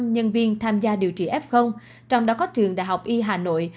một trăm linh nhân viên tham gia điều trị f trong đó có trường đại học y hà nội